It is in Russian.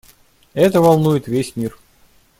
Это волнует весь мир.